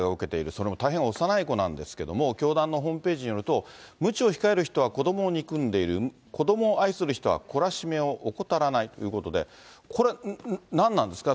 その大変幼い子なんですけど、教団のホームページによると、むちを控える人は子どもを憎んでいる、子どもを愛する人は懲らしめを怠らないということで、これ、何なんですか。